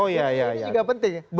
ini juga penting